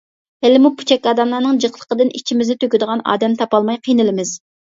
ھېلىمۇ پۇچەك ئادەملەرنىڭ جىقلىقىدىن ئىچىمىزنى تۆكىدىغان ئادەم تاپالماي قىينىلىمىز.